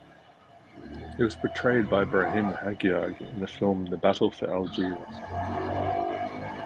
He was portrayed by Brahim Haggiag in the film "The Battle of Algiers".